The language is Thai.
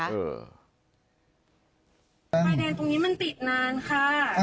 ไฟแดงตรงนี้มันติดนานค่ะ